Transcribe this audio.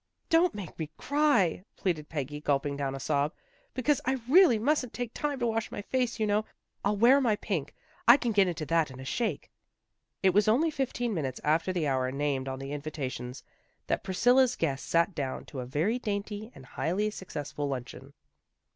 " Don't make me cry," pleaded Peggy, gulping down a sob, " because I really mustn't take tune to wash my face, you know. I'll wear my pink; I can get into that in a shake." It was only fifteen minutes after the hour 270 THE GIRLS OF FRIENDLY TERRACE named on the invitations, that Priscilla's guests sat down to a very dainty and highly successful luncheon.